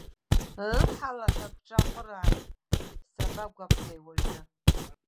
Ыҳ, алаҳәа бҿаҟырааит сабагәабҭеи уажәы.